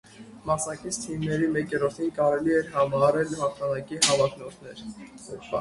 Մասնակից թիմերի մեկ երրորդին կարելի էր համարել հաղթանակի հավակնորդներ։